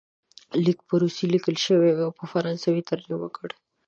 لیک په روسي لیکل شوی وو او په فرانسوي یې ترجمه کړ.